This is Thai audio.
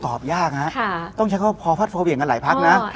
ยากฮะต้องใช้คำว่าพอพัดพอเหวี่ยงกันหลายพักนะ